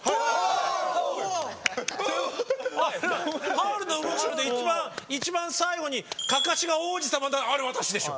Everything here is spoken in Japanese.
「ハウルの動く城」で一番最後にかかしが王子様あれ私でしょ。